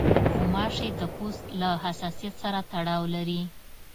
غوماشې د پوست له حساسیت سره تړاو لري.